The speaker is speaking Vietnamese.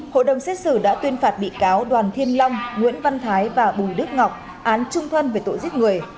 hội đồng xét xử đã tuyên phạt bị cáo đoàn thiên long nguyễn văn thái và bùi đức ngọc án trung thân về tội giết người